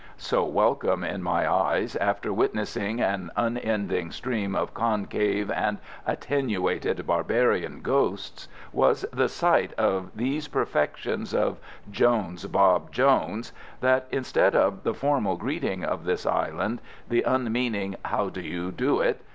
So welcome in my eyes, after witnessing an unending stream of concave and attenuated barbarian ghosts, was the sight of these perfections of Jones Bob Jones, that instead of the formal greeting of this Island the unmeaning "How do you do it?"